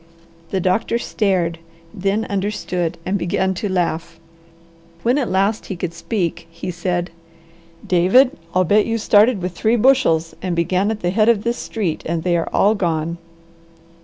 The doctor stared, then understood, and began to laugh. When at last he could speak he said, "David, I'll bet you started with three bushels and began at the head of this street, and they are all gone."